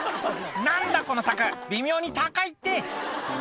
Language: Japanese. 「何だこの柵微妙に高いって」